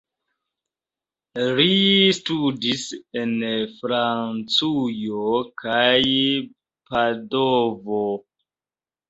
Li studis en Francujo kaj Padovo.